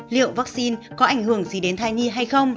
liệu vaccine có ảnh hưởng gì đến thai nhi hay không